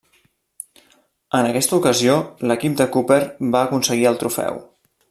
En aquesta ocasió l'equip de Cúper va aconseguir el trofeu.